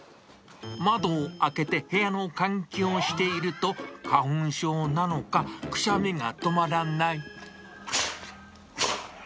窓を開けて部屋の換気をしていると、花粉症なのか、くしゃみが止まらない。